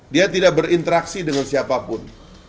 dia tidak berinteraksi dengan siapapun